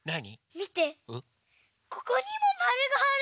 みてここにもまるがある！